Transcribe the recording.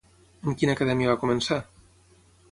Amb quina acadèmia va començar?